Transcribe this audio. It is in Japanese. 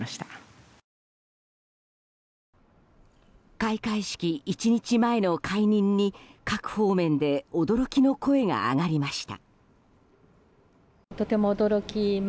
開会式１日前の解任に各方面で驚きの声が上がりました。